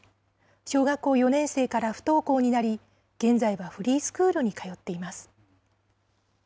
小学校４年生から不登校になり、現在はフリースクールに通っています。